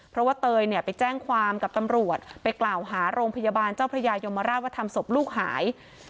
เพราะว่าเตยเนี่ยไปแจ้งความกับตำรวจไปกล่าวหาโรงพยาบาลเจ้าพระยายมราชว่าทำศพลูกหาย